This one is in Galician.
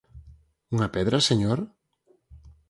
Unha pedra, señor?